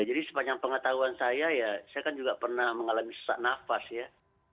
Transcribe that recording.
jadi sepanjang pengetahuan saya ya saya kan juga pernah mengalami sesak nafas ya